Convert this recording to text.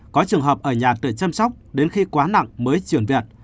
có trường hợp ở nhà để chăm sóc đến khi quá nặng mới chuyển viện